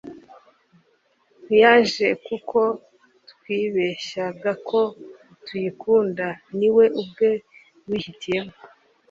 ntiyaje kuko twibeshyagako tuyikunda, niwe ubwe wihitiyemo